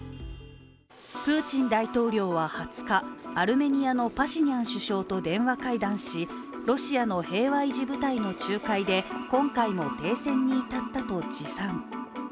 プーチン大統領は２０日アルメニアのパシニャン首相と電話会談しロシアの平和維持部隊の仲介で今回の停戦に至ったと自賛。